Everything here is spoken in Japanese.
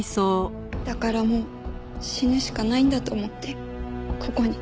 だからもう死ぬしかないんだと思ってここに。